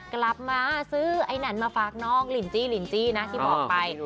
กลับมาซื้อไอ้นั่นมาฝากน้องลินจี้ลินจี้นะที่บอกไป